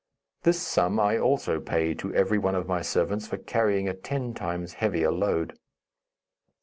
This sum I also paid to every one of my servants for carrying a ten times heavier load.